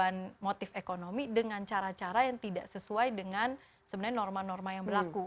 melakukan motif ekonomi dengan cara cara yang tidak sesuai dengan sebenarnya norma norma yang berlaku